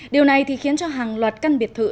điều này thì khiến cho hàng loạt căn biệt thự